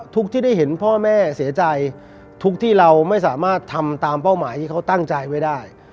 ที่ได้เห็นพ่อแม่เสียใจทุกที่เราไม่สามารถทำตามเป้าหมายที่เขาตั้งใจไว้ได้